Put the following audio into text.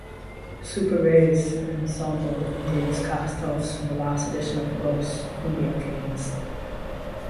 The Super Reyes ensemble includes cast-offs from the last edition of "Los Kumbia Kings".